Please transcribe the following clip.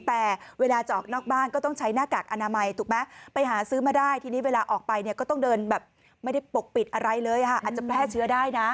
แต่เวลาจะออกนอกบ้านก็ต้องใช้หน้ากากอนามัยถูกไหมไปหาซื้อมาได้ทีนี้เวลาออกไปเนี่ยก็ต้องเดินแบบไม่ได้ปกปิดอะไรเลยอาจจะแพร่เชื้อได้นะ